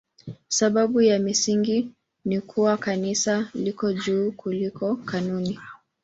Sababu ya msingi ni kuwa Kanisa liko juu kuliko kanuni.